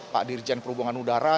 pak dirjen perhubungan udara